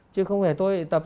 chứ không phải tôi tập